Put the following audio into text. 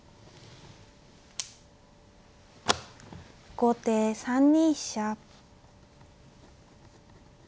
後手３二飛車。